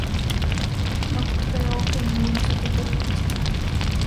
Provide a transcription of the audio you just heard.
No creo que ninguna estrategia vaya a funcionar.